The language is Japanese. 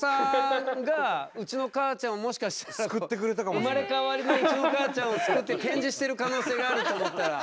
生まれ変わりのうちの母ちゃんをすくって展示してる可能性があると思ったら。